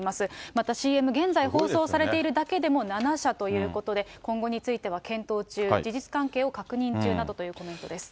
またＣＭ、現在放送されているだけでも７社ということで、今後については検討中、事実関係を確認中などというコメントです。